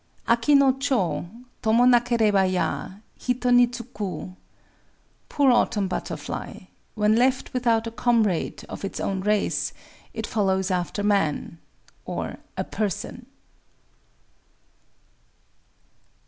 _] Aki no chō Tomo nakéréba ya; Hito ni tsuku [Poor autumn butterfly!—when left without a comrade (of its own race), it follows after man (or "a person")!